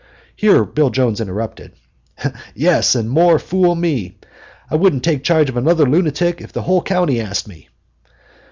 Here Bill Jones interrupted: "Yes, and more fool me! I wouldn't take charge of another lunatic if the whole county asked me.